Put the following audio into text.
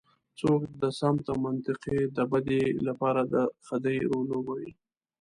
څوک د سمت او منطقې د بدۍ لپاره د خدۍ رول لوبوي.